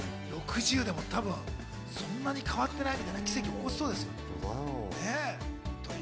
そんなに変わってないみたいな奇跡起こしそうですよね。